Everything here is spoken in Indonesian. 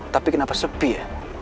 tapi kenapa sepi ya